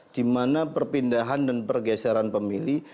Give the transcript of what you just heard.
dimana perpindahan dan pergeseran pemilih